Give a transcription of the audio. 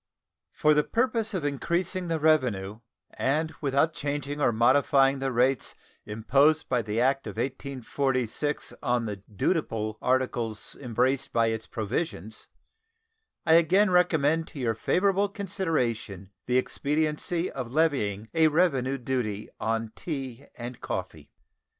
For the purpose of increasing the revenue, and without changing or modifying the rates imposed by the act of 1846 on the dutiable articles embraced by its provisions, I again recommend to your favorable consideration the expediency of levying a revenue duty on tea and coffee.